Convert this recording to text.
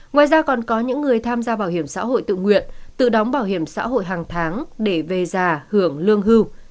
ngoài ra còn có những người tham gia bảo hiểm xã hội tự nguyện tự đóng bảo hiểm xã hội hàng tháng để về già hưởng lương hưu